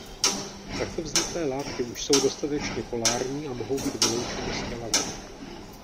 Takto vzniklé látky už jsou dostatečně polární a mohou být vyloučeny z těla ven.